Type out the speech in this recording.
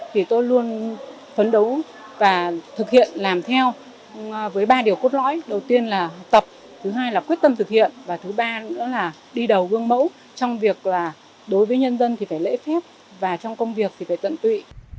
thì tôi luôn phấn đấu và thực hiện làm theo với ba điều cốt lõi đầu tiên là tập thứ hai là quyết tâm thực hiện và thứ ba nữa là đi đầu gương mẫu trong việc là đối với nhân dân thì phải lễ phép và trong công việc thì phải tận tụy